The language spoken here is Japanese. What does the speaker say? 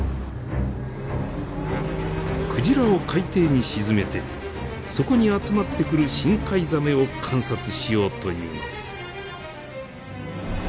クジラを海底に沈めてそこに集まってくる深海ザメを観察しようというのです。